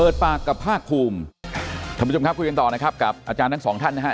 ทำประจ๋วครับกันตอนครับกับอาจารย์ทั้งสองท่านนะครับ